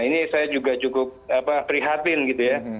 ini saya juga cukup prihatin gitu ya